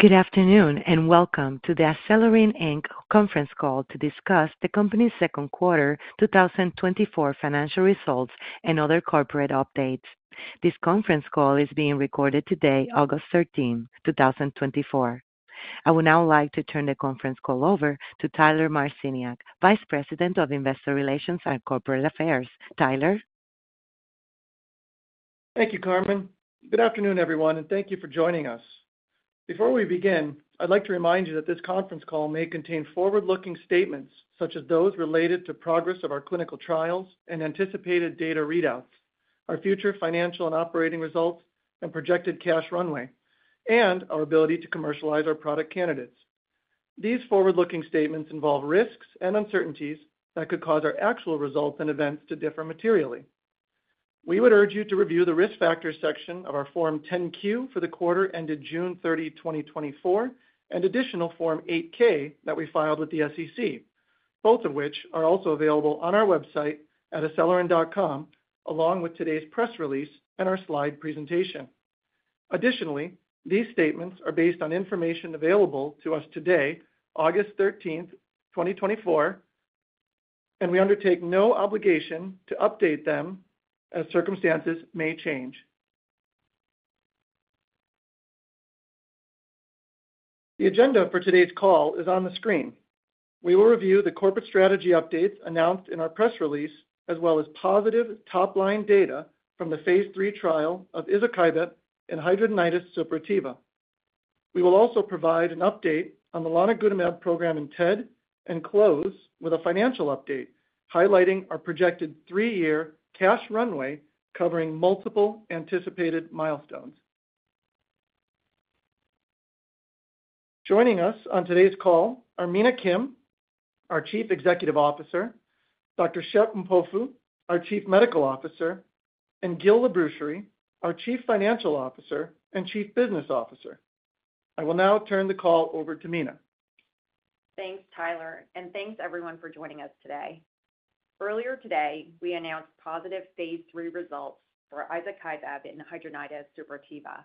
Good afternoon, and welcome to the Acelyrin, Inc conference call to discuss the company's second quarter 2024 financial results and other corporate updates. This conference call is being recorded today, August 13, 2024. I would now like to turn the conference call over to Tyler Marciniak, Vice President of Investor Relations and Corporate Affairs. Tyler? Thank you, Carmen. Good afternoon, everyone, and thank you for joining us. Before we begin, I'd like to remind you that this conference call may contain forward-looking statements such as those related to progress of our clinical trials and anticipated data readouts, our future financial and operating results, and projected cash runway, and our ability to commercialize our product candidates. These forward-looking statements involve risks and uncertainties that could cause our actual results and events to differ materially. We would urge you to review the Risk Factors section of our Form 10-Q for the quarter ended June 30, 2024, and additional Form 8-K that we filed with the SEC, both of which are also available on our website at acelyrin.com, along with today's press release and our slide presentation. Additionally, these statements are based on information available to us today, August 13, 2024, and we undertake no obligation to update them as circumstances may change. The agenda for today's call is on the screen. We will review the corporate strategy updates announced in our press release, as well as positive top-line data from the phase III trial of izokibep in hidradenitis suppurativa. We will also provide an update on the lonigutamab program in TED and close with a financial update, highlighting our projected three year cash runway covering multiple anticipated milestones. Joining us on today's call are Mina Kim, our Chief Executive Officer, Dr. Shep Mpofu, our Chief Medical Officer, and Gil Labrucherie, our Chief Financial Officer and Chief Business Officer. I will now turn the call over to Mina. Thanks, Tyler, and thanks everyone for joining us today. Earlier today, we announced positive phase III results for izokibep in hidradenitis suppurativa,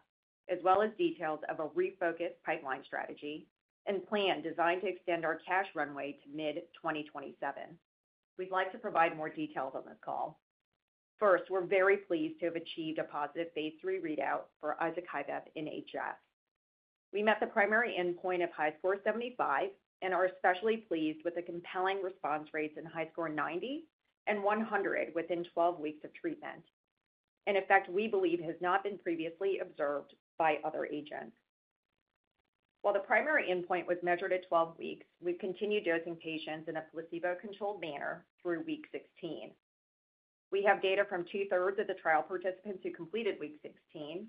as well as details of a refocused pipeline strategy and plan designed to extend our cash runway to mid-2027. We'd like to provide more details on this call. First, we're very pleased to have achieved a positive phase III readout for izokibep in HS. We met the primary endpoint of HiSCR75 and are especially pleased with the compelling response rates in HiSCR90 and 100 within 12 weeks of treatment. An effect we believe has not been previously observed by other agents. While the primary endpoint was measured at 12 weeks, we continued dosing patients in a placebo-controlled manner through week 16. We have data from two-thirds of the trial participants who completed week 16,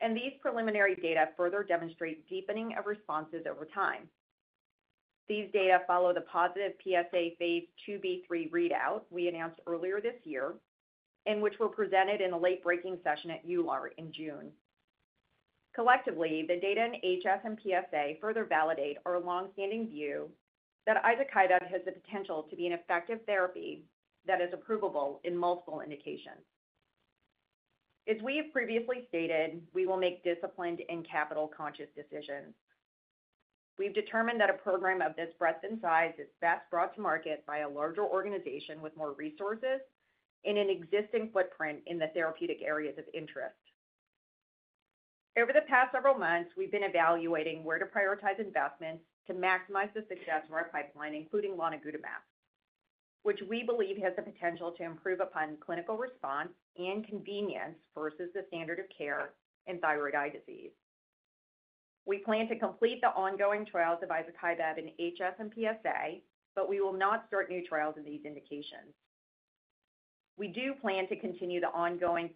and these preliminary data further demonstrate deepening of responses over time. These data follow the positive phase IIb/III readout we announced earlier this year, and which were presented in a late-breaking session at EULAR in June. Collectively, the data in HS and PsA further validate our long-standing view that izokibep has the potential to be an effective therapy that is approvable in multiple indications. As we have previously stated, we will make disciplined and capital-conscious decisions. We've determined that a program of this breadth and size is best brought to market by a larger organization with more resources and an existing footprint in the therapeutic areas of interest. Over the past several months, we've been evaluating where to prioritize investments to maximize the success of our pipeline, including lonigutamab, which we believe has the potential to improve upon clinical response and convenience versus the standard of care in thyroid eye disease. We plan to complete the ongoing trials of izokibep in HS and PsA, but we will not start new trials in these indications. We do plan to continue the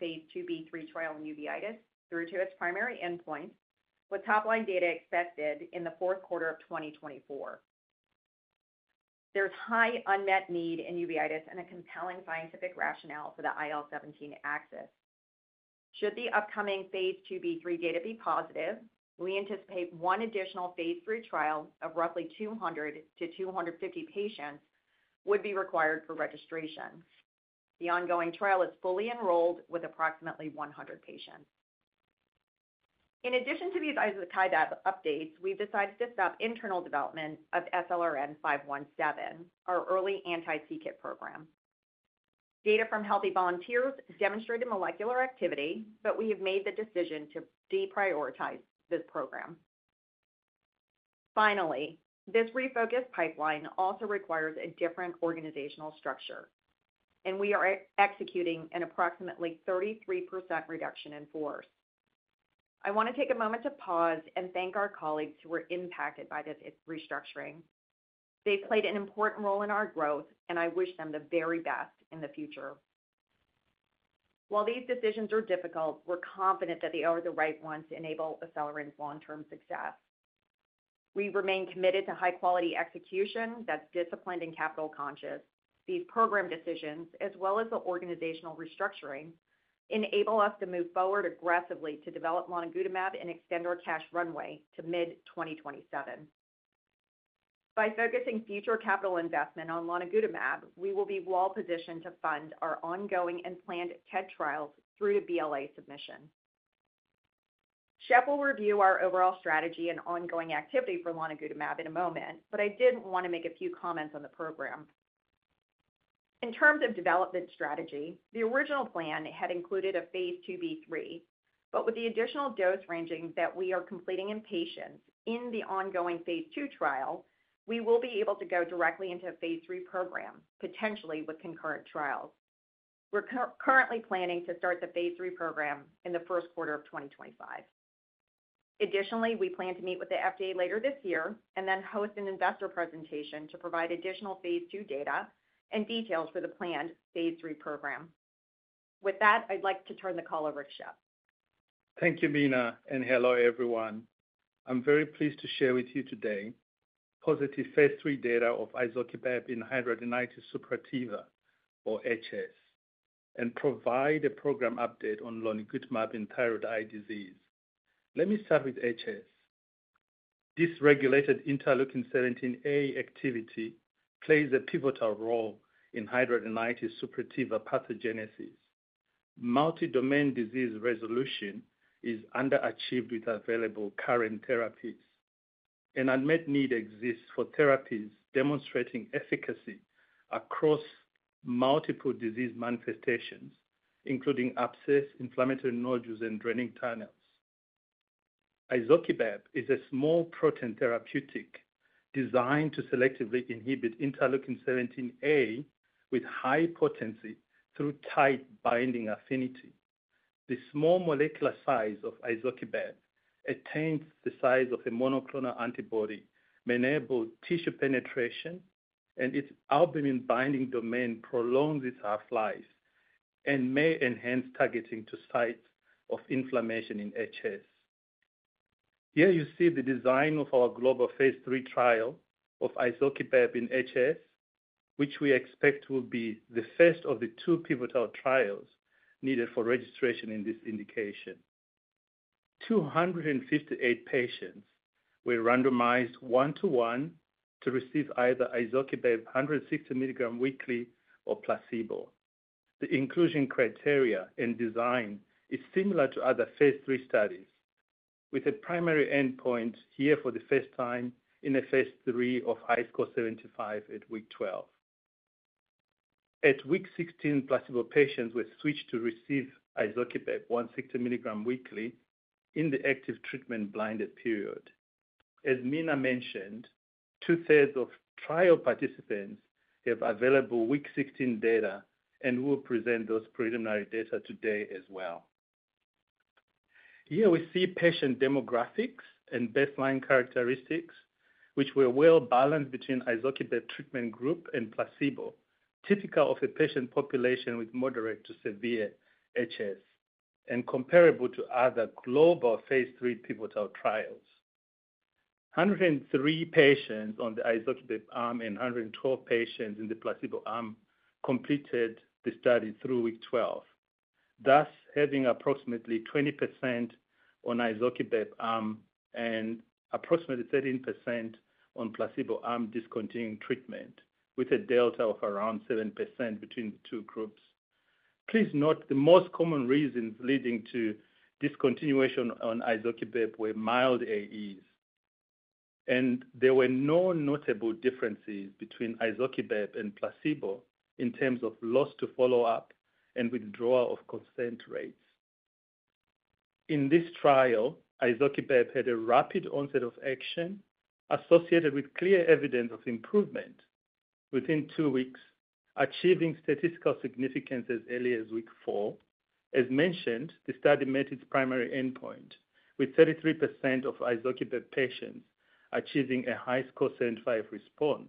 phase IIb/III trial in uveitis through to its primary endpoint, with top-line data expected in the fourth quarter of 2024. There's high unmet need in uveitis and a compelling scientific rationale for the IL-17 axis. Should the phase IIb/III data be positive, we anticipate one additional phase III trial of roughly 200-250 patients would be required for registration. The ongoing trial is fully enrolled with approximately 100 patients. In addition to these izokibep updates, we've decided to stop internal development of SLRN-517, our early anti-c-KIT program. Data from healthy volunteers demonstrated molecular activity, but we have made the decision to deprioritize this program. Finally, this refocused pipeline also requires a different organizational structure, and we are executing an approximately 33% reduction in force. I want to take a moment to pause and thank our colleagues who were impacted by this restructuring. They've played an important role in our growth, and I wish them the very best in the future. While these decisions are difficult, we're confident that they are the right one to enable Acelyrin's long-term success. We remain committed to high-quality execution that's disciplined and capital conscious. These program decisions, as well as the organizational restructuring, enable us to move forward aggressively to develop lonigutamab and extend our cash runway to mid-2027. By focusing future capital investment on lonigutamab, we will be well-positioned to fund our ongoing and planned TED trials through to BLA submission. Shep will review our overall strategy and ongoing activity for lonigutamab in a moment, but I did want to make a few comments on the program. In terms of development strategy, the original plan had included phase IIb/III, but with the additional dose ranging that we are completing in patients in the ongoing phase II trial, we will be able to go directly into a phase III program, potentially with concurrent trials. We're currently planning to start the phase III program in the first quarter of 2025. Additionally, we plan to meet with the FDA later this year and then host an investor presentation to provide additional phase II data and details for the planned phase III program. With that, I'd like to turn the call over to Shep. Thank you, Mina, and hello, everyone. I'm very pleased to share with you today positive phase III data of izokibep in hidradenitis suppurativa, or HS, and provide a program update on lonigutamab in thyroid eye disease. Let me start with HS. Dysregulated interleukin-17A activity plays a pivotal role in hidradenitis suppurativa pathogenesis. Multi-domain disease resolution is underachieved with available current therapies. An unmet need exists for therapies demonstrating efficacy across multiple disease manifestations, including abscess, inflammatory nodules, and draining tunnels. Izokibep is a small protein therapeutic designed to selectively inhibit interleukin-17A with high potency through tight binding affinity. The small molecular size of izokibep attains the size of a monoclonal antibody, may enable tissue penetration, and its albumin binding domain prolongs its half-life and may enhance targeting to sites of inflammation in HS. Here you see the design of our global phase III trial of izokibep in HS, which we expect will be the first of the two pivotal trials needed for registration in this indication. 258 patients were randomized one to one to receive either izokibep 160 mg weekly or placebo. The inclusion criteria and design is similar to other phase III studies, with a primary endpoint here for the first time in a phase III of HiSCR75 at week 12. At week 16, placebo patients were switched to receive izokibep 160 mg weekly in the active treatment blinded period. As Mina mentioned, two-thirds of trial participants have available week 16 data, and we'll present those preliminary data today as well. Here we see patient demographics and baseline characteristics, which were well-balanced between izokibep treatment group and placebo, typical of a patient population with moderate to severe HS and comparable to other global phase III pivotal trials. 103 patients on the izokibep arm and 112 patients in the placebo arm completed the study through week 12, thus having approximately 20% on izokibep arm and approximately 13% on placebo arm discontinuing treatment, with a delta of around 7% between the two groups. Please note, the most common reasons leading to discontinuation on izokibep were mild AEs, and there were no notable differences between izokibep and placebo in terms of loss to follow-up and withdrawal of consent rates. In this trial, izokibep had a rapid onset of action associated with clear evidence of improvement within two weeks, achieving statistical significance as early as week four. As mentioned, the study met its primary endpoint, with 33% of izokibep patients achieving a HiSCR75 response.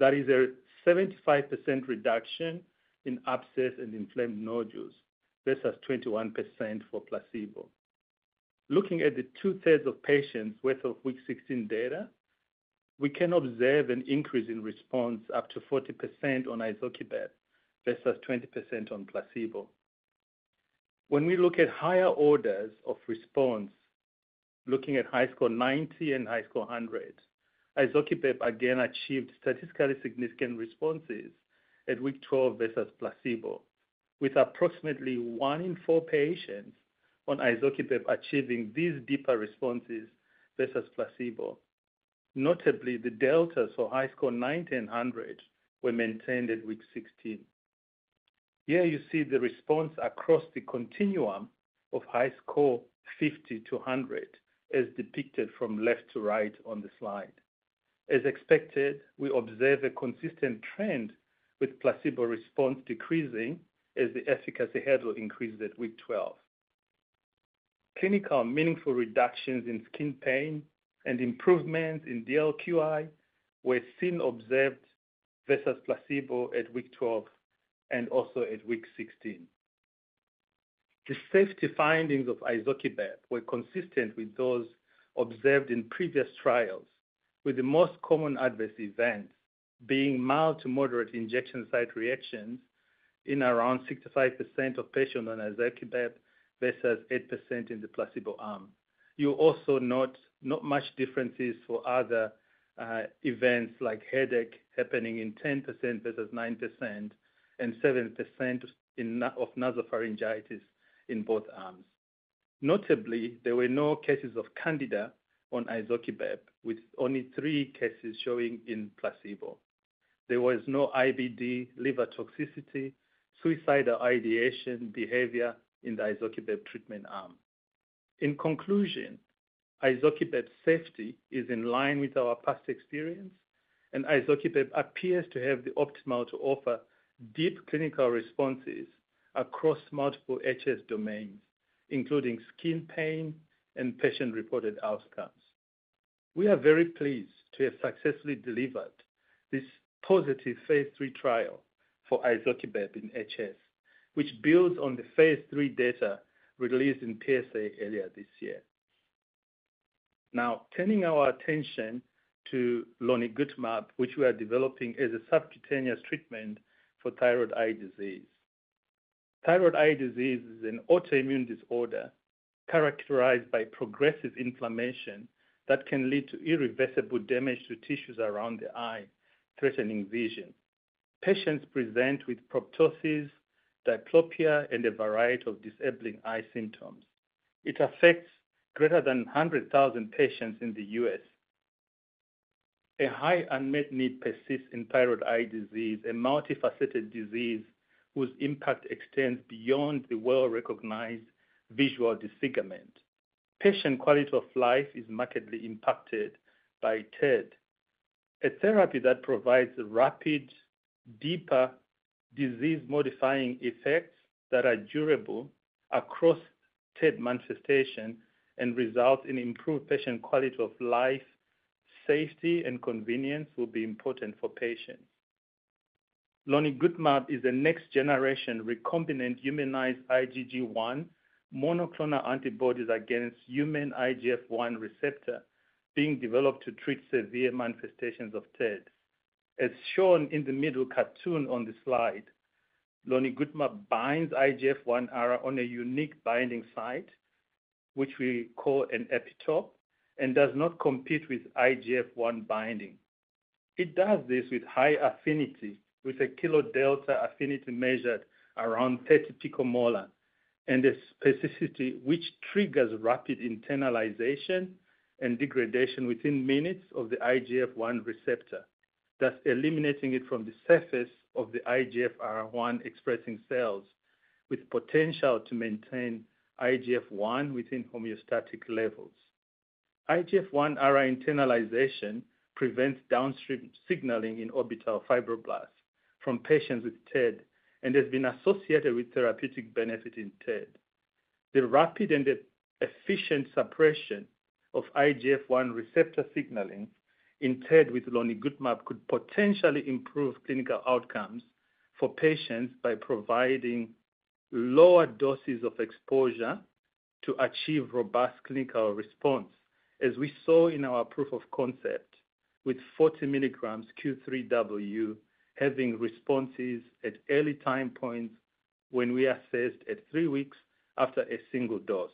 That is a 75% reduction in abscess and inflamed nodules versus 21% for placebo. Looking at the two-thirds of patients with the week 16 data, we can observe an increase in response up to 40% on izokibep versus 20% on placebo. When we look at higher orders of response, looking at HiSCR90 and HiSCR100, izokibep again achieved statistically significant responses at week 12 versus placebo, with approximately one in four patients on izokibep achieving these deeper responses versus placebo. Notably, the deltas for HiSCR90 and HiSCR100 were maintained at week 16. Here you see the response across the continuum of HiSCR50 to HiSCR100, as depicted from left to right on the slide. As expected, we observe a consistent trend with placebo response decreasing as the efficacy hurdle increases at week 12. Clinically meaningful reductions in skin pain and improvement in DLQI were still observed versus placebo at week 12 and also at week 16. The safety findings of izokibep were consistent with those observed in previous trials, with the most common adverse event being mild to moderate injection site reactions in around 65% of patients on izokibep, versus 8% in the placebo arm. You'll also note not much differences for other events like headache happening in 10% versus 9%, and 7% of nasopharyngitis in both arms. Notably, there were no cases of Candida on izokibep, with only three cases showing in placebo. There was no IBD, liver toxicity, suicidal ideation, behavior in the izokibep treatment arm. In conclusion, izokibep safety is in line with our past experience, and izokibep appears to have the optimal to offer deep clinical responses across multiple HS domains, including skin pain and patient-reported outcomes. We are very pleased to have successfully delivered this positive phase III trial for izokibep in HS, which builds on the phase III data released in PsA earlier this year. Now, turning our attention to lonigutamab, which we are developing as a subcutaneous treatment for thyroid eye disease. Thyroid eye disease is an autoimmune disorder characterized by progressive inflammation that can lead to irreversible damage to tissues around the eye, threatening vision. Patients present with proptosis, diplopia, and a variety of disabling eye symptoms. It affects greater than 100,000 patients in the U.S. A high unmet need persists in thyroid eye disease, a multifaceted disease whose impact extends beyond the well-recognized visual disfigurement. Patient quality of life is markedly impacted by TED. A therapy that provides rapid, deeper disease-modifying effects that are durable across TED manifestation and results in improved patient quality of life, safety, and convenience will be important for patients. Lonigutamab is a next generation recombinant humanized IgG1 monoclonal antibodies against human IGF-1 receptor being developed to treat severe manifestations of TED. As shown in the middle cartoon on the slide, lonigutamab binds IGF-1R on a unique binding site, which we call an epitope, and does not compete with IGF-1 binding. It does this with high affinity, with a Kd affinity measured around 30 picomolar, and a specificity which triggers rapid internalization and degradation within minutes of the IGF-1 receptor, thus eliminating it from the surface of the IGF-1R expressing cells, with potential to maintain IGF-1 within homeostatic levels. IGF-1R internalization prevents downstream signaling in orbital fibroblasts from patients with TED, and has been associated with therapeutic benefit in TED. The rapid and efficient suppression of IGF-1 receptor signaling in TED with lonigutamab could potentially improve clinical outcomes for patients by providing lower doses of exposure to achieve robust clinical response, as we saw in our proof of concept, with 40 mg Q3W having responses at early time points when we assessed at three weeks after a single dose.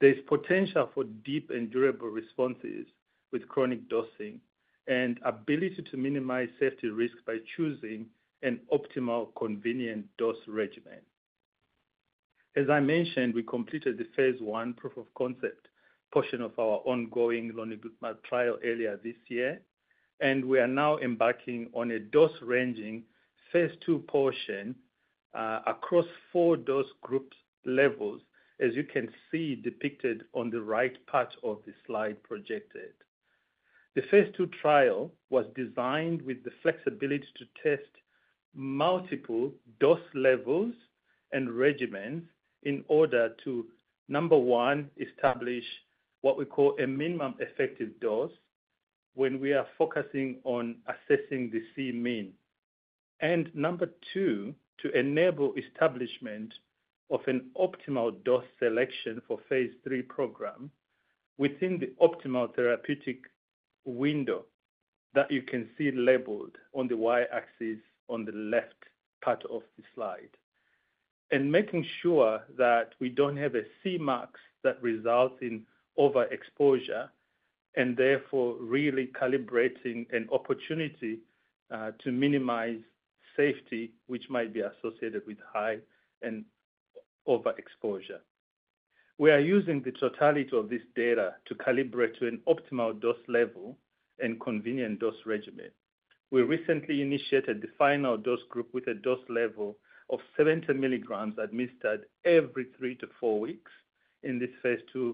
There's potential for deep and durable responses with chronic dosing and ability to minimize safety risks by choosing an optimal, convenient dose regimen. As I mentioned, we completed the phase I proof of concept portion of our ongoing lonigutamab trial earlier this year, and we are now embarking on a dose-ranging phase II portion, across four dose group levels, as you can see depicted on the right part of the slide projected. The phase II trial was designed with the flexibility to test multiple dose levels and regimens in order to, number one, establish what we call a minimum effective dose when we are focusing on assessing the Cmin. And number two, to enable establishment of an optimal dose selection for phase III program within the optimal therapeutic window that you can see labeled on the Y-axis on the left part of the slide. Making sure that we don't have a Cmax that results in overexposure, and therefore, really calibrating an opportunity to minimize safety, which might be associated with high and overexposure. We are using the totality of this data to calibrate to an optimal dose level and convenient dose regimen. We recently initiated the final dose group with a dose level of 70 mg administered every three-four weeks in this phase II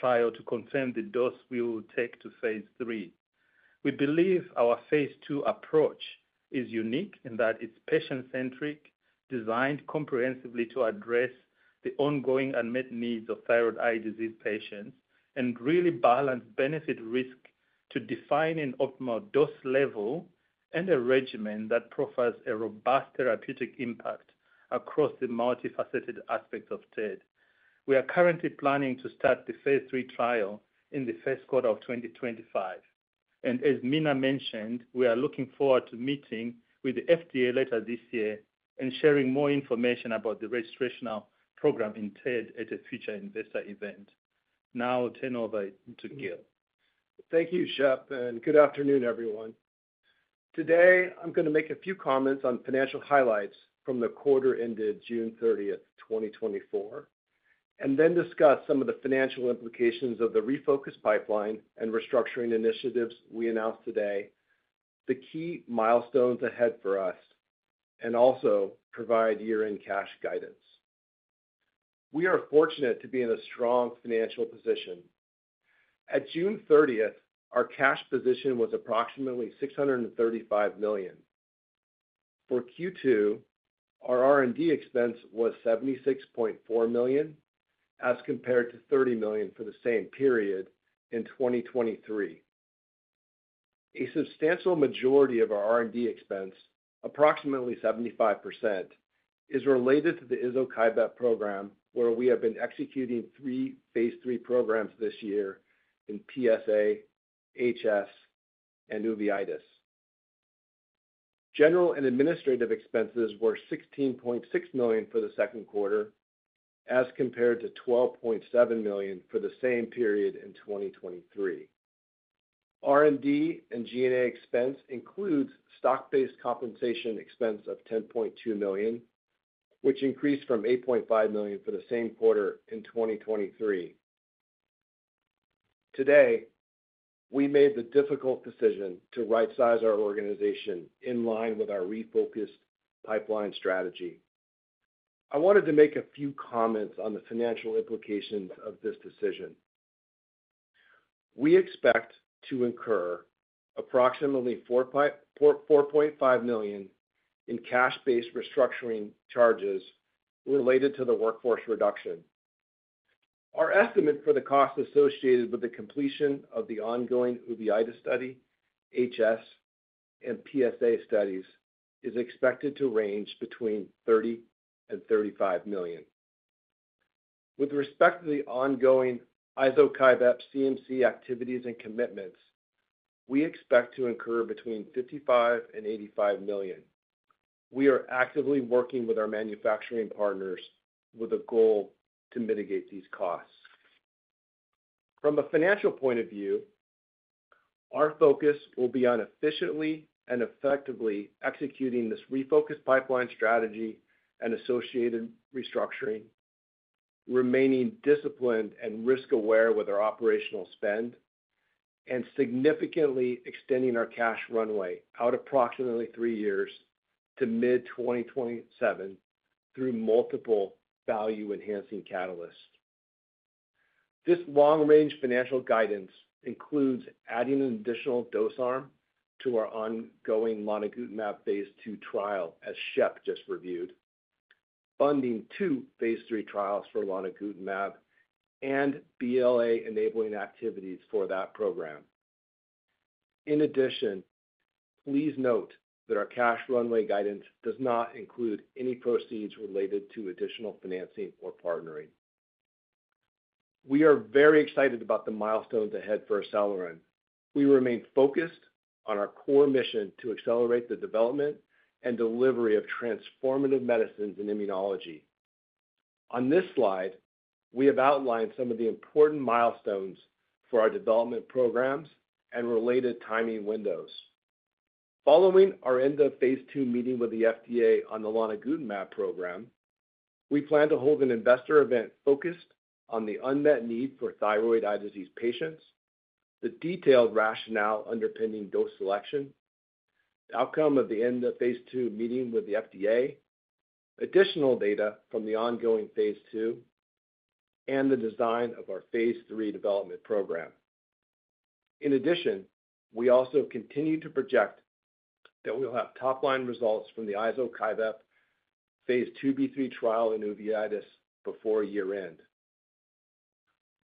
trial to confirm the dose we will take to phase III. We believe our phase II approach is unique in that it's patient-centric, designed comprehensively to address the ongoing unmet needs of thyroid eye disease patients, and really balance benefit risk to define an optimal dose level and a regimen that profiles a robust therapeutic impact across the multifaceted aspects of TED. We are currently planning to start the phase III trial in the first quarter of 2025. As Mina mentioned, we are looking forward to meeting with the FDA later this year and sharing more information about the registrational program in TED at a future investor event. Now I'll turn over to Gil. Thank you, Shep, and good afternoon, everyone. Today, I'm going to make a few comments on financial highlights from the quarter ended June 30, 2024, and then discuss some of the financial implications of the refocused pipeline and restructuring initiatives we announced today, the key milestones ahead for us, and also provide year-end cash guidance. We are fortunate to be in a strong financial position. At June 30, our cash position was approximately $635 million. For Q2, our R&D expense was $76.4 million, as compared to $30 million for the same period in 2023. A substantial majority of our R&D expense, approximately 75%, is related to the izokibep program, where we have been executing three phase III programs this year in PsA, HS, and uveitis. General and administrative expenses were $16.6 million for the second quarter, as compared to $12.7 million for the same period in 2023. R&D and G&A expense includes stock-based compensation expense of $10.2 million, which increased from $8.5 million for the same quarter in 2023. Today, we made the difficult decision to rightsize our organization in line with our refocused pipeline strategy. I wanted to make a few comments on the financial implications of this decision. We expect to incur approximately $4.5 million in cash-based restructuring charges related to the workforce reduction. Our estimate for the cost associated with the completion of the ongoing uveitis study, HS, and PsA studies, is expected to range between $30 million and $35 million. With respect to the ongoing izokibep CMC activities and commitments, we expect to incur between $55 million and $85 million. We are actively working with our manufacturing partners with a goal to mitigate these costs. From a financial point of view, our focus will be on efficiently and effectively executing this refocused pipeline strategy and associated restructuring, remaining disciplined and risk-aware with our operational spend, and significantly extending our cash runway out approximately three years to mid-2027 through multiple value-enhancing catalysts. This long-range financial guidance includes adding an additional dose arm to our ongoing lonigutamab phase II trial, as Shep just reviewed, funding two phase III trials for lonigutamab, and BLA-enabling activities for that program. In addition, please note that our cash runway guidance does not include any proceeds related to additional financing or partnering. We are very excited about the milestones ahead for Acelyrin. We remain focused on our core mission to accelerate the development and delivery of transformative medicines in immunology. On this slide, we have outlined some of the important milestones for our development programs and related timing windows. Following our end of phase II meeting with the FDA on the lonigutamab program, we plan to hold an investor event focused on the unmet need for thyroid eye disease patients, the detailed rationale underpinning dose selection, the outcome of the end of phase II meeting with the FDA, additional data from the ongoing phase II, and the design of our phase III development program. In addition, we also continue to project that we'll have top-line results from the izokibep phase IIb/III trial in uveitis before year-end.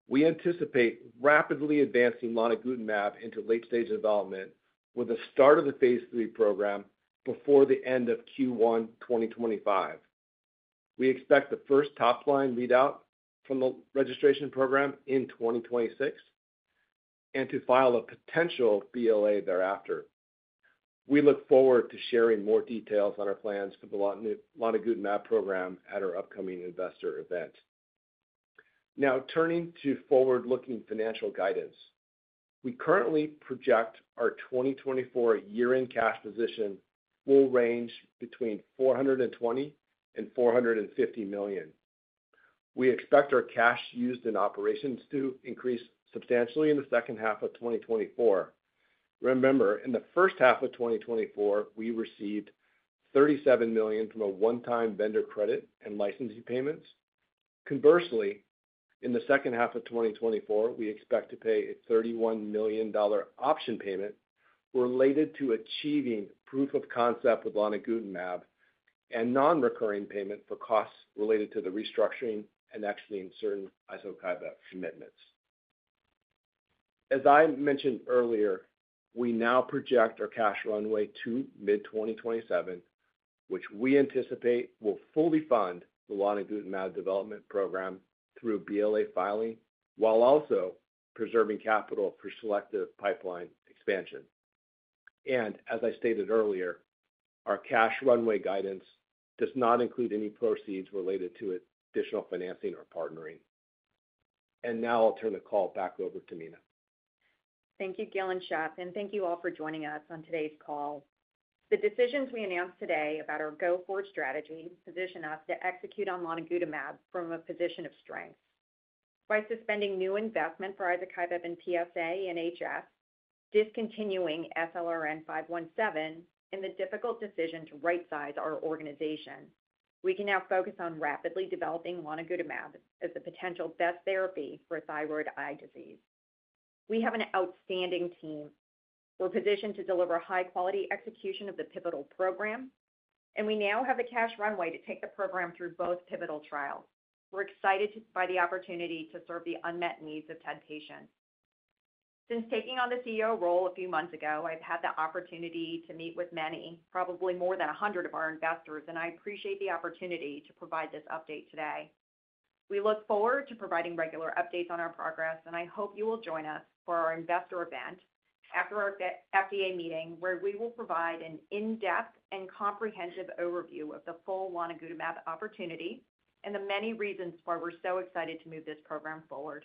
We anticipate rapidly advancing lonigutamab into late-stage development with the start of the phase III program before the end of Q1, 2025. We expect the first top-line readout from the registration program in 2026, and to file a potential BLA thereafter. We look forward to sharing more details on our plans for the lonigutamab program at our upcoming investor event. Now, turning to forward-looking financial guidance. We currently project our 2024 year-end cash position will range between $420 million and $450 million. We expect our cash used in operations to increase substantially in the second half of 2024. Remember, in the first half of 2024, we received $37 million from a one-time vendor credit and licensing payments. Conversely, in the second half of 2024, we expect to pay a $31 million option payment related to achieving proof of concept with lonigutamab and non-recurring payment for costs related to the restructuring and exiting certain izokibep commitments... As I mentioned earlier, we now project our cash runway to mid-2027, which we anticipate will fully fund the lonigutamab development program through BLA filing, while also preserving capital for selective pipeline expansion. As I stated earlier, our cash runway guidance does not include any proceeds related to additional financing or partnering. Now I'll turn the call back over to Mina. Thank you, Gil and Shep, and thank you all for joining us on today's call. The decisions we announced today about our go-forward strategy position us to execute on lonigutamab from a position of strength. By suspending new investment for izokibep and PsA and HS, discontinuing SLRN-517, and the difficult decision to rightsize our organization, we can now focus on rapidly developing lonigutamab as the potential best therapy for thyroid eye disease. We have an outstanding team. We're positioned to deliver high-quality execution of the pivotal program, and we now have the cash runway to take the program through both pivotal trials. We're excited by the opportunity to serve the unmet needs of TED patients. Since taking on the CEO role a few months ago, I've had the opportunity to meet with many, probably more than 100 of our investors, and I appreciate the opportunity to provide this update today. We look forward to providing regular updates on our progress, and I hope you will join us for our investor event after our FDA meeting, where we will provide an in-depth and comprehensive overview of the full lonigutamab opportunity and the many reasons why we're so excited to move this program forward.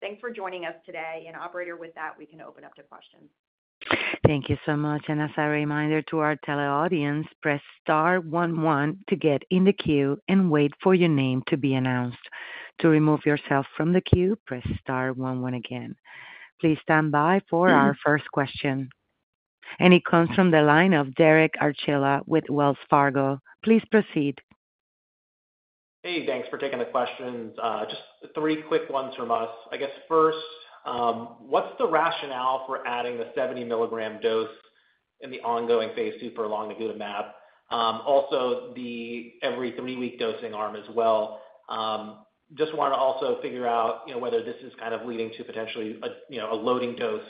Thanks for joining us today. Operator, with that, we can open up to questions. Thank you so much. As a reminder to our teleaudience, press star one one to get in the queue and wait for your name to be announced. To remove yourself from the queue, press star one one again. Please stand by for our first question. It comes from the line of Derek Archila with Wells Fargo. Please proceed. Hey, thanks for taking the questions. Just three quick ones from us. I guess first, what's the rationale for adding the 70 mg dose in the ongoing phase II for lonigutamab? Also the every three-week dosing arm as well. Just want to also figure out, you know, whether this is kind of leading to potentially a, you know, a loading dose,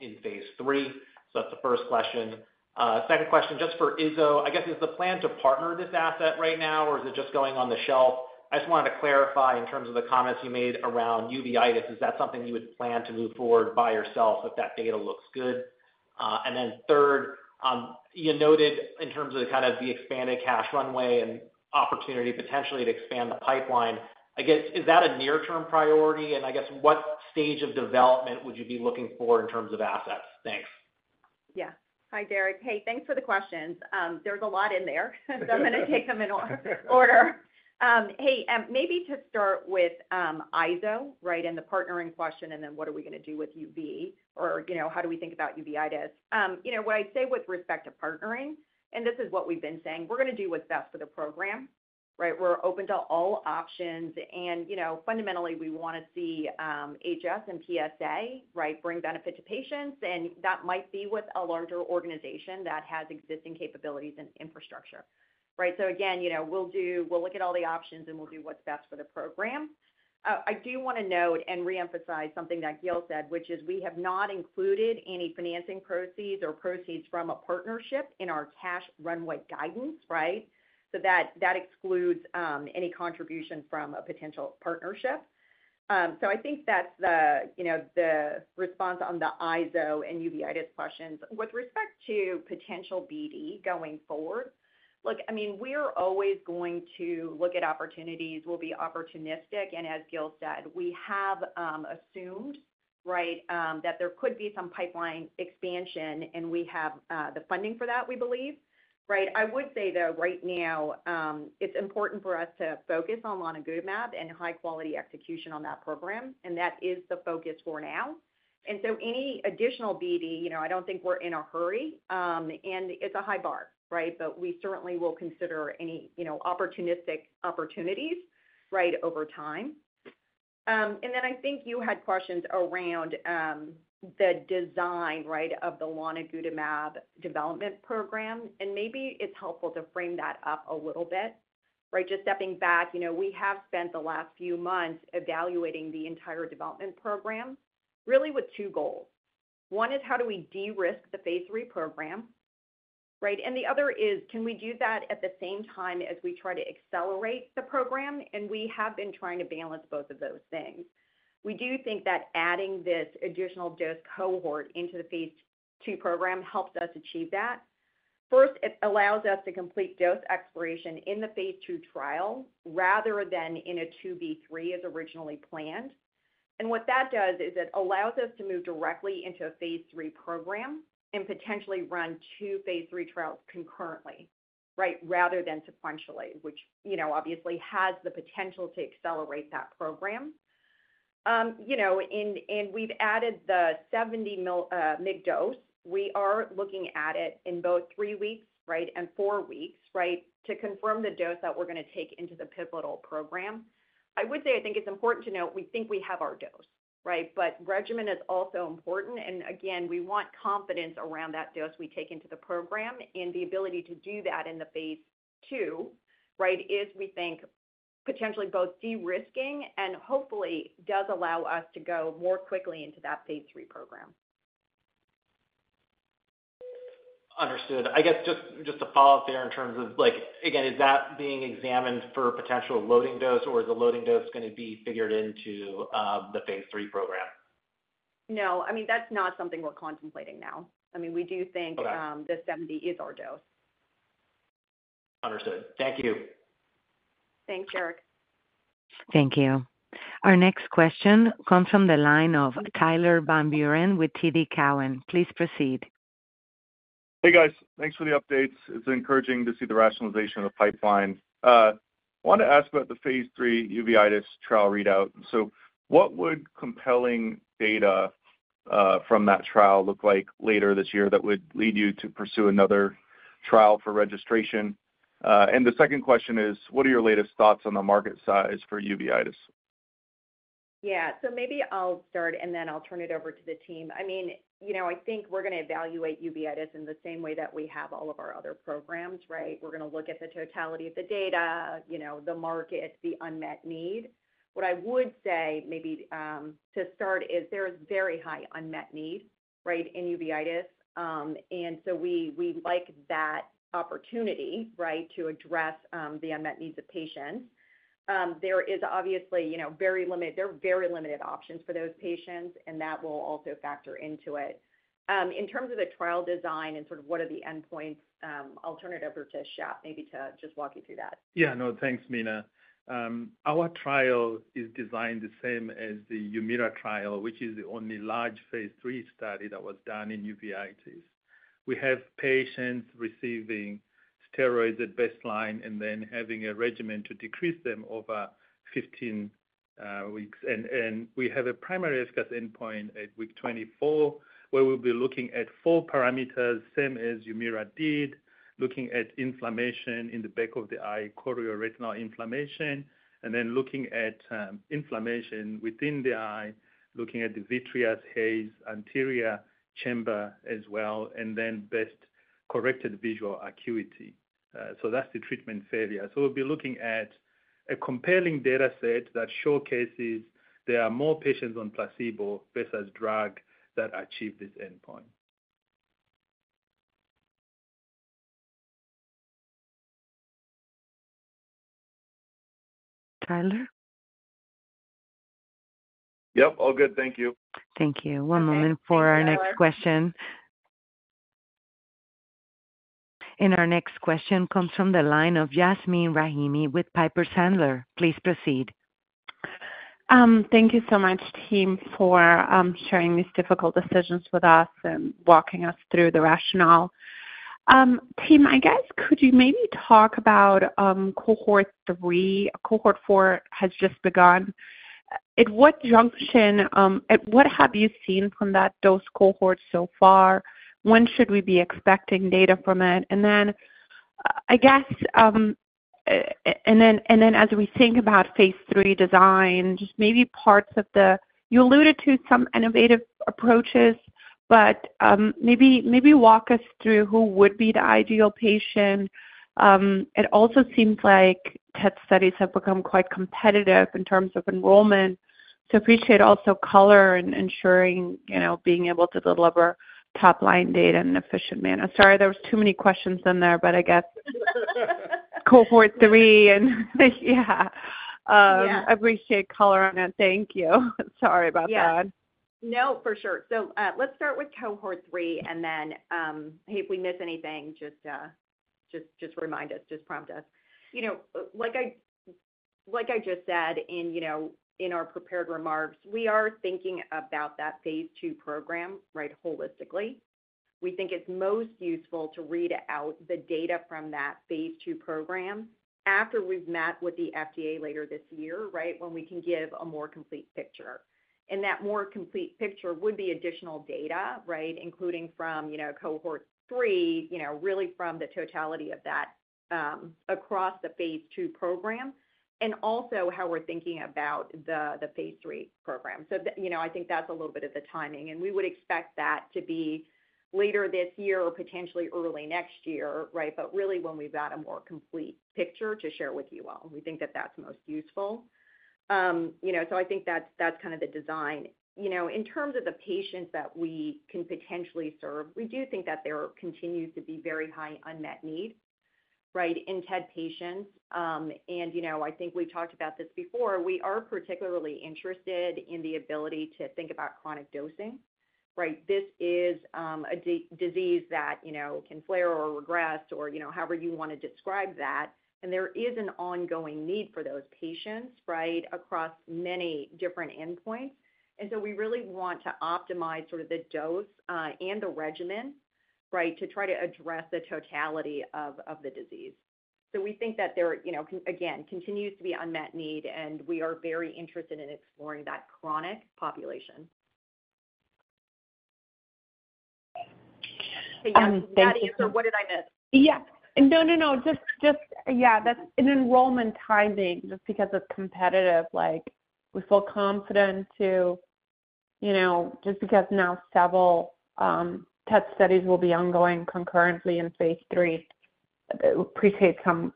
in phase III. So that's the first question. Second question, just for izokibep, I guess, is the plan to partner this asset right now, or is it just going on the shelf? I just wanted to clarify in terms of the comments you made around uveitis, is that something you would plan to move forward by yourself if that data looks good? And then third, you noted in terms of kind of the expanded cash runway and opportunity potentially to expand the pipeline. I guess, is that a near-term priority? And I guess, what stage of development would you be looking for in terms of assets? Thanks. Yeah. Hi, Derek. Hey, thanks for the questions. There's a lot in there, so I'm going to take them in order. Hey, maybe to start with, izokibep, right, and the partnering question, and then what are we going to do with UV, or, you know, how do we think about uveitis? You know, what I'd say with respect to partnering, and this is what we've been saying, we're going to do what's best for the program, right? We're open to all options and, you know, fundamentally, we want to see, HS and PsA, right, bring benefit to patients, and that might be with a larger organization that has existing capabilities and infrastructure. Right? So again, you know, we'll look at all the options and we'll do what's best for the program. I do want to note and reemphasize something that Gil said, which is we have not included any financing proceeds or proceeds from a partnership in our cash runway guidance, right? So that, that excludes, any contribution from a potential partnership. So I think that's the, you know, the response on the Izo and uveitis questions. With respect to potential BD going forward, look, I mean, we're always going to look at opportunities. We'll be opportunistic, and as Gil said, we have, assumed, right, that there could be some pipeline expansion, and we have, the funding for that, we believe. Right? I would say, though, right now, it's important for us to focus on lonigutamab and high-quality execution on that program, and that is the focus for now. So any additional BD, you know, I don't think we're in a hurry, and it's a high bar, right? But we certainly will consider any, you know, opportunistic opportunities, right, over time. And then I think you had questions around, the design, right, of the lonigutamab development program, and maybe it's helpful to frame that up a little bit. Right? Just stepping back, you know, we have spent the last few months evaluating the entire development program, really with two goals. One is, how do we de-risk the phase III program, right? And the other is, can we do that at the same time as we try to accelerate the program? And we have been trying to balance both of those things. We do think that adding this additional dose cohort into the phase II program helps us achieve that. First, it allows us to complete dose exploration in the phase II trial rather than in a 2b/3, as originally planned. What that does is it allows us to move directly into a phase III program and potentially run two phase III trials concurrently, right, rather than sequentially, which, you know, obviously has the potential to accelerate that program. You know, and we've added the 70 mg dose. We are looking at it in both three weeks, right, and four weeks, right, to confirm the dose that we're going to take into the pivotal program. I would say, I think it's important to note, we think we have our dose, right? But regimen is also important, and again, we want confidence around that dose we take into the program, and the ability to do that in the phase II, right, is we think... Potentially both de-risking and hopefully does allow us to go more quickly into that phase III program. Understood. I guess just, just to follow up there in terms of like, again, is that being examined for potential loading dose, or is the loading dose going to be figured into the phase III program? No, I mean, that's not something we're contemplating now. I mean, we do think that 70 is our dose. Understood. Thank you. Thanks, Derek. Thank you. Our next question comes from the line of Tyler Van Buren with TD Cowen. Please proceed. Hey, guys. Thanks for the updates. It's encouraging to see the rationalization of the pipeline. Wanted to ask about the phase III uveitis trial readout. So what would compelling data from that trial look like later this year that would lead you to pursue another trial for registration? And the second question is, what are your latest thoughts on the market size for uveitis? Yeah. So maybe I'll start, and then I'll turn it over to the team. I mean, you know, I think we're going to evaluate uveitis in the same way that we have all of our other programs, right? We're going to look at the totality of the data, you know, the market, the unmet need. What I would say, maybe, to start, is there is very high unmet need, right, in uveitis. And so we, we like that opportunity, right, to address the unmet needs of patients. There is obviously, you know, very limited - there are very limited options for those patients, and that will also factor into it. In terms of the trial design and sort of what are the endpoints, I'll turn it over to Shep, maybe to just walk you through that. Yeah, no, thanks, Mina. Our trial is designed the same as the Humira trial, which is the only large phase III study that was done in uveitis. We have patients receiving steroids at baseline and then having a regimen to decrease them over 15 weeks. We have a primary endpoint at week 24, where we'll be looking at 4 parameters, same as Humira did, looking at inflammation in the back of the eye, chorioretinal inflammation, and then looking at inflammation within the eye, looking at the vitreous haze, anterior chamber as well, and then best corrected visual acuity. So that's the treatment failure. So we'll be looking at a compelling data set that showcases there are more patients on placebo versus drug that achieve this endpoint. Tyler? Yep, all good. Thank you. Thank you. One moment for our next question. Our next question comes from the line of Yasmin Rahimi with Piper Sandler. Please proceed. Thank you so much, team, for sharing these difficult decisions with us and walking us through the rationale. Team, I guess, could you maybe talk about cohort three? Cohort four has just begun. At what junction, at what have you seen from that dose cohort so far? When should we be expecting data from it? And then, I guess, and then as we think about phase III design, just maybe parts of the... You alluded to some innovative approaches, but, maybe, maybe walk us through who would be the ideal patient. It also seems like TED studies have become quite competitive in terms of enrollment. So appreciate also color and ensuring, you know, being able to deliver top-line data in an efficient manner. Sorry, there was too many questions in there, but I guess—cohort three and, yeah. Um- Yeah. I appreciate color on that. Thank you. Sorry about that. Yeah. No, for sure. So, let's start with cohort 3, and then, if we miss anything, just, just remind us, just prompt us. You know, like I, like I just said in, you know, in our prepared remarks, we are thinking about that phase II program, right, holistically. We think it's most useful to read out the data from that phase II program after we've met with the FDA later this year, right? When we can give a more complete picture. And that more complete picture would be additional data, right, including from, you know, cohort 3, you know, really from the totality of that, across the phase II program, and also how we're thinking about the, the phase III program. So, you know, I think that's a little bit of the timing, and we would expect that to be later this year or potentially early next year, right? But really, when we've got a more complete picture to share with you all, we think that that's most useful. You know, so I think that's kind of the design. You know, in terms of the patients that we can potentially serve, we do think that there continues to be very high unmet need, right, in TED patients. And you know, I think we talked about this before, we are particularly interested in the ability to think about chronic dosing, right? This is a disease that, you know, can flare or regress or, you know, however you want to describe that, and there is an ongoing need for those patients, right, across many different endpoints. We really want to optimize sort of the dose and the regimen, right, to try to address the totality of the disease. We think that there, you know, again, continues to be unmet need, and we are very interested in exploring that chronic population. Hey, Yasmin, that answer, what did I miss? Yeah. No, no, no. Just, just, yeah, that's an enrollment timing, just because it's competitive. Like, we feel confident to-... you know, just because now several test studies will be ongoing concurrently in phase III, appreciate some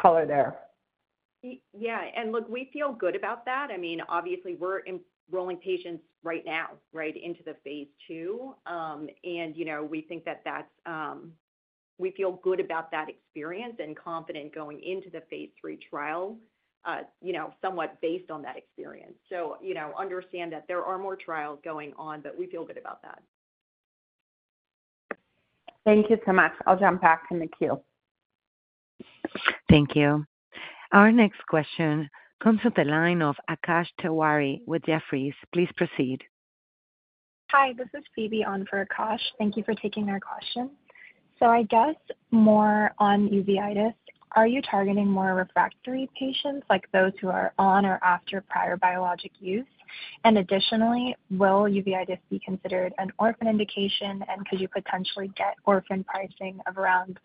color there. Yeah, and look, we feel good about that. I mean, obviously, we're enrolling patients right now, right, into the phase II. You know, we think that that's, we feel good about that experience and confident going into the phase III trial, you know, somewhat based on that experience. So, you know, understand that there are more trials going on, but we feel good about that. Thank you so much. I'll jump back in the queue. Thank you. Our next question comes from the line of Akash Tewari with Jefferies. Please proceed. Hi, this is Phoebe on for Akash. Thank you for taking our question. So I guess more on uveitis, are you targeting more refractory patients like those who are on or after prior biologic use? And additionally, will uveitis be considered an orphan indication, and could you potentially get orphan pricing of around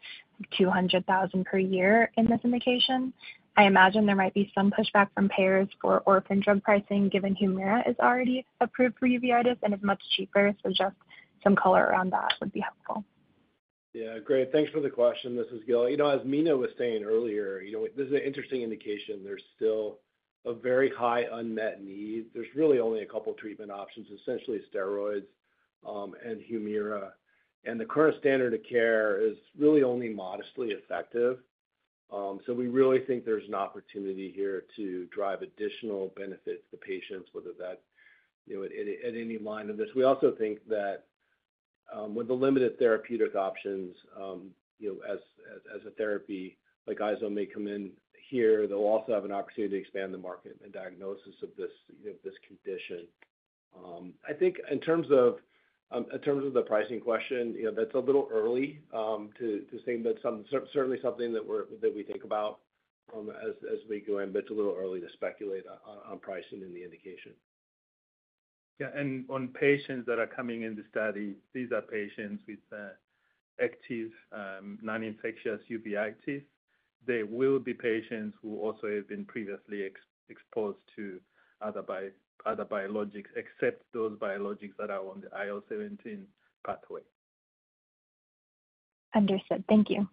$200,000 per year in this indication? I imagine there might be some pushback from payers for orphan drug pricing, given Humira is already approved for uveitis and is much cheaper. So just some color around that would be helpful. Yeah. Great, thanks for the question. This is Gil. You know, as Mina was saying earlier, you know, this is an interesting indication. There's still a very high unmet need. There's really only a couple treatment options, essentially steroids, and Humira. And the current standard of care is really only modestly effective. So we really think there's an opportunity here to drive additional benefit to the patients, whether that, you know, at any line of this. We also think that, with the limited therapeutic options, you know, as a therapy like izokibep may come in here, they'll also have an opportunity to expand the market and diagnosis of this, you know, this condition. I think in terms of, in terms of the pricing question, you know, that's a little early, to, to say, but certainly something that we're, that we think about, as, as we go in, but it's a little early to speculate on, on pricing in the indication. Yeah, and on patients that are coming in the study, these are patients with active non-infectious uveitis. They will be patients who also have been previously exposed to other biologics, except those biologics that are on the IL-17 pathway. Understood. Thank you.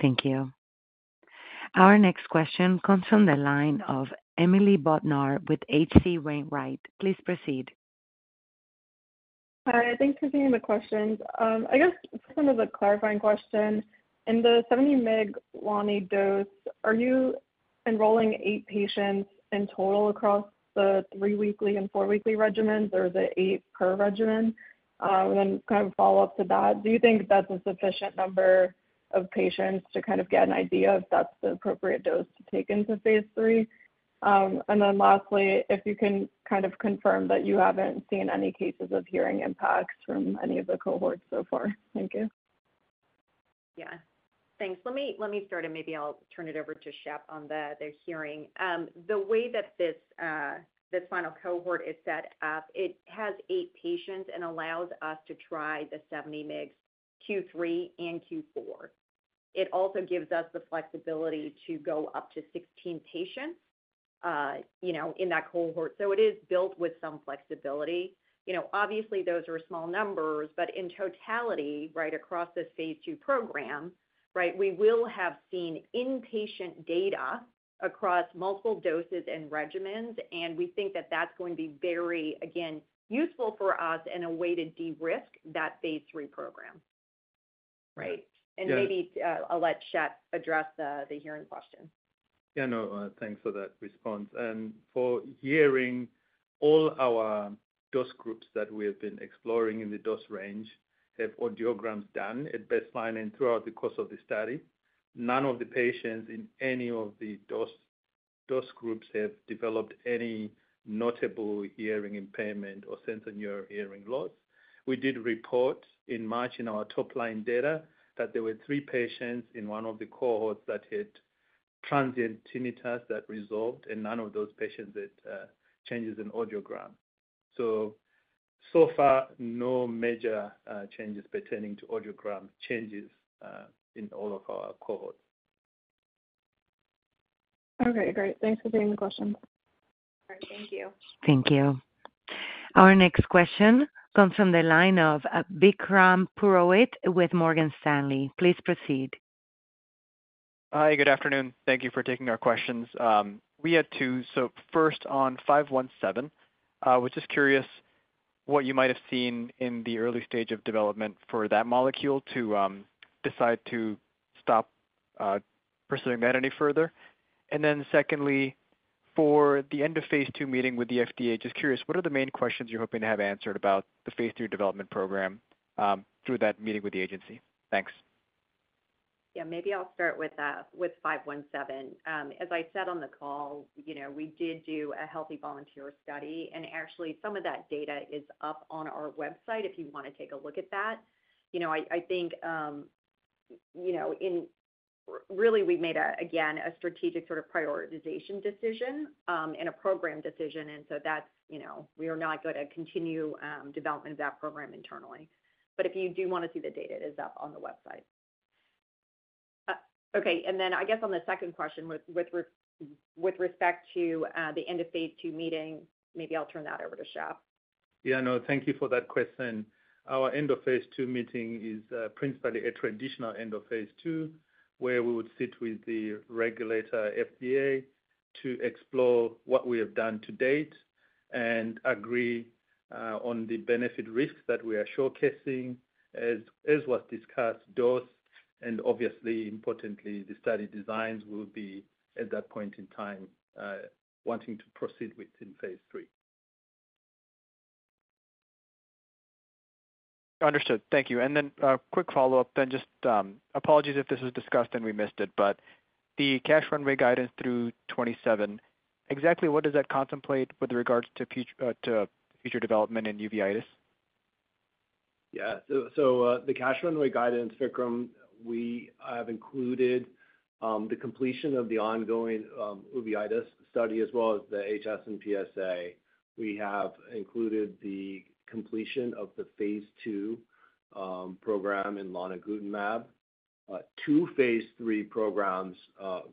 Thank you. Our next question comes from the line of Emily Bodnar with H.C. Wainwright. Please proceed. Hi, thanks for taking the questions. I guess kind of a clarifying question. In the 70 mg lonigutamab dose, are you enrolling eight patients in total across the three weekly and four weekly regimens, or is it eight per regimen? And then kind of a follow-up to that, do you think that's a sufficient number of patients to kind of get an idea if that's the appropriate dose to take into phase III? And then lastly, if you can kind of confirm that you haven't seen any cases of hepatic impacts from any of the cohorts so far? Thank you. Yeah. Thanks. Let me, let me start, and maybe I'll turn it over to Shep on the, the hearing. The way that this, this final cohort is set up, it has 8 patients and allows us to try the 70 mg, Q3 and Q4. It also gives us the flexibility to go up to 16 patients, you know, in that cohort, so it is built with some flexibility. You know, obviously, those are small numbers, but in totality, right, across the phase II program, right, we will have seen inpatient data across multiple doses and regimens, and we think that that's going to be very, again, useful for us in a way to de-risk that phase III program, right? Yeah. Maybe I'll let Shep address the hearing question. Yeah, no, thanks for that response. And for hearing, all our dose groups that we have been exploring in the dose range have audiograms done at baseline and throughout the course of the study. None of the patients in any of the dose groups have developed any notable hearing impairment or sensorineural hearing loss. We did report in March in our top-line data that there were three patients in one of the cohorts that had transient tinnitus that resolved, and none of those patients had changes in audiogram. So, so far, no major changes pertaining to audiogram changes in all of our cohorts. Okay, great. Thanks for taking the question. All right. Thank you. Thank you. Our next question comes from the line of, Vikram Purohit with Morgan Stanley. Please proceed. Hi, good afternoon. Thank you for taking our questions. We had two. So first on 517, was just curious what you might have seen in the early stage of development for that molecule to decide to stop pursuing that any further. And then secondly, for the end of phase II meeting with the FDA, just curious, what are the main questions you're hoping to have answered about the phase II development program, through that meeting with the agency? Thanks. Yeah, maybe I'll start with SLRN-517. As I said on the call, you know, we did do a healthy volunteer study, and actually some of that data is up on our website if you want to take a look at that. You know, I think, you know, really, we made, again, a strategic sort of prioritization decision, and a program decision, and so that's, you know, we are not going to continue development of that program internally. But if you do want to see the data, it is up on the website. Okay, and then I guess on the second question, with respect to the end of phase two meeting, maybe I'll turn that over to Shep. Yeah, no, thank you for that question. Our end of phase two meeting is principally a traditional end of phase two, where we would sit with the regulator, FDA, to explore what we have done to date and agree on the benefit risks that we are showcasing. As was discussed, dose, and obviously, importantly, the study designs will be at that point in time wanting to proceed with in phase III. Understood. Thank you. Quick follow-up, then just apologies if this was discussed and we missed it, but the cash runway guidance through 2027, exactly what does that contemplate with regards to future development in uveitis? Yeah. So, the cash runway guidance, Vikram, we have included the completion of the ongoing uveitis study as well as the HS and PsA. We have included the completion of the phase two program in lonigutamab, two phase III programs,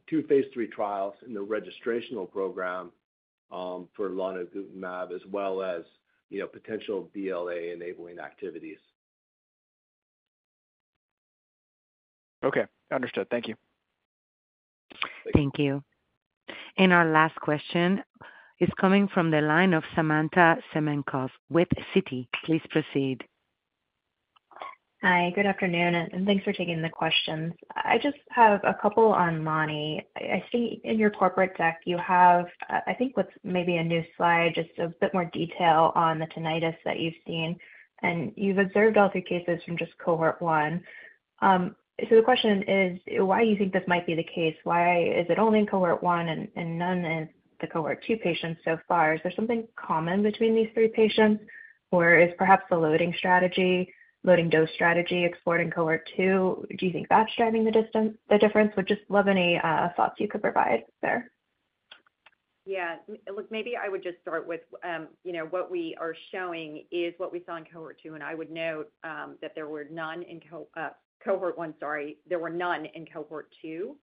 two phase III trials in the registrational program for lonigutamab, as well as, you know, potential BLA-enabling activities. Okay, understood. Thank you. Thank you. Our last question is coming from the line of Samantha Semenkow with Citi. Please proceed. Hi, good afternoon, and thanks for taking the questions. I just have a couple on lonigutamab. I see in your corporate deck, you have, I think what's maybe a new slide, just a bit more detail on the tinnitus that you've seen, and you've observed all three cases from just cohort one. So the question is, why you think this might be the case? Why is it only in cohort one and none in the cohort two patients so far? Is there something common between these three patients, or is perhaps the loading strategy, loading dose strategy explored in cohort two? Do you think that's driving the difference? Would just love any thoughts you could provide there. Yeah. Look, maybe I would just start with, you know, what we are showing is what we saw in cohort two, and I would note that there were none in cohort one, sorry, there were none in cohort two.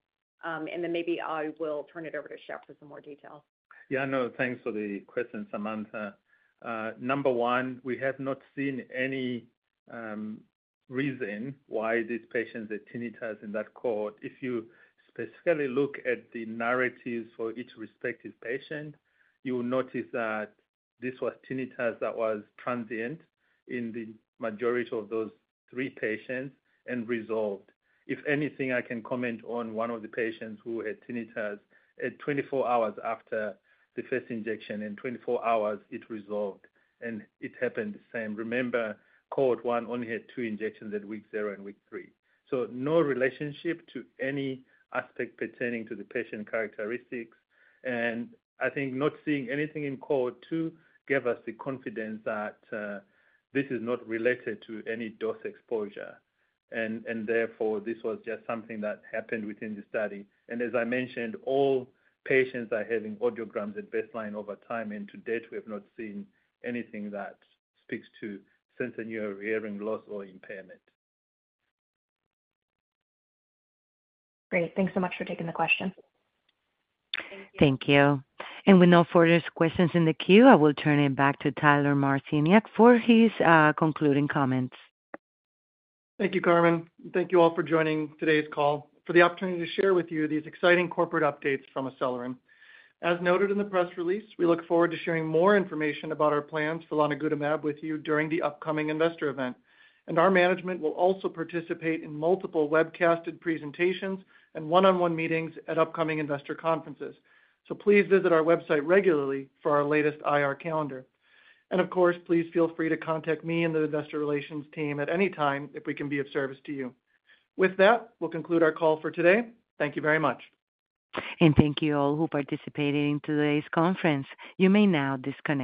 And then maybe I will turn it over to Shep for some more details. Yeah, no, thanks for the question, Samantha. Number one, we have not seen any reason why these patients had tinnitus in that cohort. If you specifically look at the narratives for each respective patient, you will notice that this was tinnitus that was transient in the majority of those three patients and resolved. If anything, I can comment on one of the patients who had tinnitus at 24 hours after the first injection, in 24 hours it resolved, and it happened the same. Remember, cohort one only had two injections at week zero and week three. So no relationship to any aspect pertaining to the patient characteristics, and I think not seeing anything in cohort two gave us the confidence that this is not related to any dose exposure, and therefore, this was just something that happened within the study. As I mentioned, all patients are having audiograms at baseline over time, and to date, we have not seen anything that speaks to sensorineural hearing loss or impairment. Great. Thanks so much for taking the question. Thank you. With no further questions in the queue, I will turn it back to Tyler Marciniak for his concluding comments. Thank you, Carmen. Thank you all for joining today's call, for the opportunity to share with you these exciting corporate updates from Acelyrin. As noted in the press release, we look forward to sharing more information about our plans for lonigutamab with you during the upcoming investor event. Our management will also participate in multiple webcasted presentations and one-on-one meetings at upcoming investor conferences. Please visit our website regularly for our latest IR calendar. Of course, please feel free to contact me and the investor relations team at any time if we can be of service to you. With that, we'll conclude our call for today. Thank you very much. Thank you all who participated in today's conference. You may now disconnect.